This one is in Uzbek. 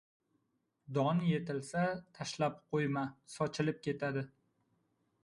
• Don yetilsa, tashlab qo‘yma — sochilib ketadi;